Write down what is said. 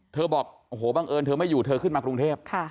บอกโอ้โหบังเอิญเธอไม่อยู่เธอขึ้นมากรุงเทพ